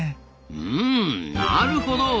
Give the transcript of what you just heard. うんなるほど。